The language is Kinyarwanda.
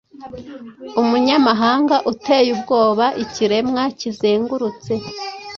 umunyamahanga uteye ubwoba ikiremwa kizengurutse